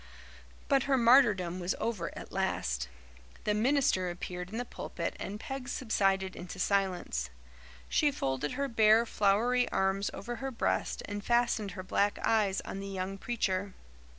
But her martyrdom was over at last. The minister appeared in the pulpit and Peg subsided into silence. She folded her bare, floury arms over her breast and fastened her black eyes on the young preacher.